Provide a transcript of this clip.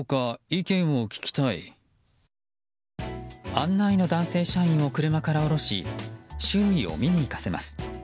案内の男性社員を車から降ろし周囲を見に行かせます。